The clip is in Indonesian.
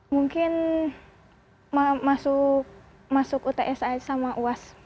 mungkin masuk utsi sama uas